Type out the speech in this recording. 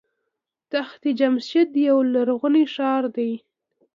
تخت جمشید یو لرغونی ښار دی.